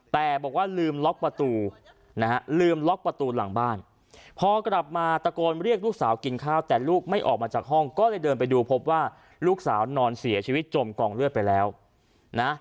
แต่บอกว่าลืมล็อกประตูนะฮะลืมล็อกประตูหลังบ้านพอกลับมาตะโกนเรียกลูกสาวกินข้าวแต่ลูกไม่ออกมาจากห้องก็เลยเดินไปดูพบว่าลูกสาวนอนเสียชีวิตจมกองเลือดไปแล้วนะ